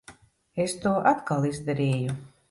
Es to atkal izdarīju.